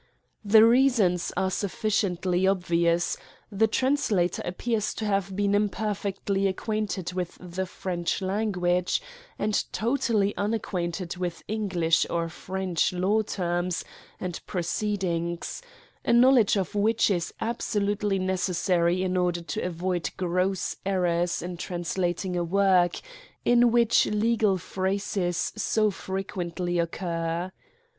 The reasons are sufficiently obvious ; the translator appears to have been im perfectly acquainted with the French language, and totally unacquainted with English or French law terms and proceedings, a knowledge of which is absolutely necessary in order to avoid gross errors in translating a work, in which legal phra ses so frequently occur.